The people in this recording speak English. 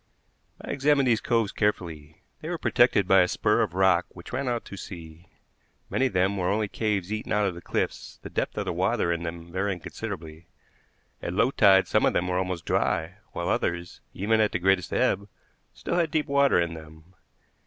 I examined these coves carefully. They were protected by a spur of rock which ran out to sea. Many of them were only caves eaten out of the cliffs, the depth of water in them varying considerably. At low tide some of them were almost dry, while others, even at the greatest ebb, still had deep water in them.